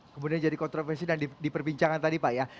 kemudian jadi kontroversi dan diperbincangkan tadi pak ya